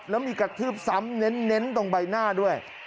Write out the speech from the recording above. แล้วมีกระทืบซ้ำเน้นตรงใบหน้าด้วย